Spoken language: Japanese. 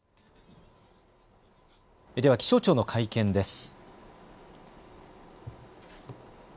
では気象庁の会見です。